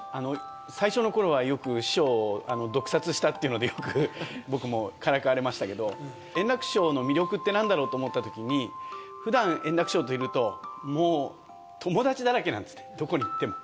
最初のころはよく、師匠、毒殺したっていうので、よく僕もからかわれましたけど、円楽師匠の魅力ってなんだろうと思ったときに、ふだん円楽師匠といると、もう友達だらけなんですね、どこに行っても。